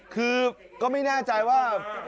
คือก็ไม่แน่ใจว่า